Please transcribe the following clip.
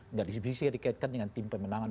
enggak bisa dikaitkan dengan tim pemenangan